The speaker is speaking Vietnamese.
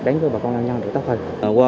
đến với bà con nhau nhau được tốt hơn